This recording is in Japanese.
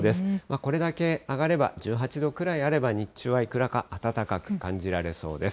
これだけ、上がれば、１８度くらいあれば、日中はいくらか、暖かく感じられそうです。